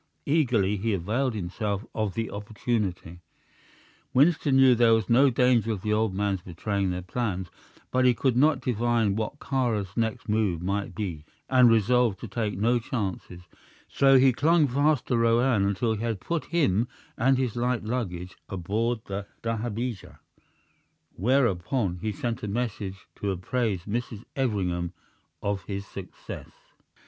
Eagerly he availed himself of the opportunity. Winston knew there was no danger of the old man's betraying their plans, but he could not divine what Kāra's next move might be, and resolved to take no chances; so he clung fast to Roane until he had put him and his light luggage aboard the dahabeah, whereupon he sent a messenger to apprise Mrs. Everingham of his success.